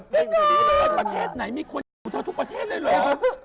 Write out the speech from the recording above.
ประเทศไหนมีคนเจอทุกประเทศเลยเหรอ